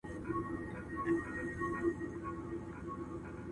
د خاوند پلرګنۍ پيغورونه ورکوي.